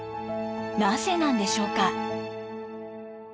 なぜなんでしょうか？